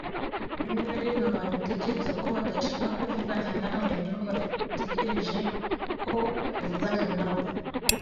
Rimwe na rimwe, abantu utekereza ko badashaka kuvugana nawe ni bo bategereje ko uvugana nabo.